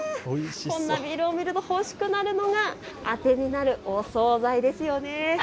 こんなビールを見ると欲しくなるのがあてになるお総菜ですね。